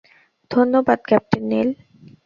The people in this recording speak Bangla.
ধন্যবাদ, ক্যাপ্টেন নিল।